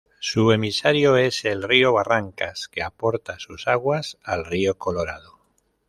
Su emisario es el río Barrancas, que aporta sus aguas al río Colorado.